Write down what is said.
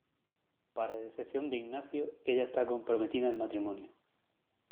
Para decepción de Ignacio, ella está comprometida en matrimonio.